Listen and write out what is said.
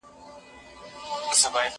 که وخت وي، انځورونه رسم کوم.